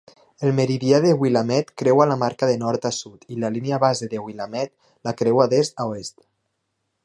El meridià de Willamette creua la marca de nord a sud i la línia base de Willamette la creua d'est a oest.